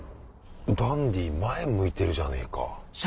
ダンディ前向いてるじゃねえか。